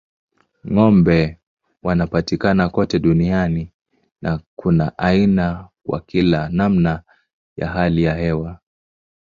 Ng'ombe wanapatikana kote duniani na kuna aina kwa kila namna ya hali ya hewa.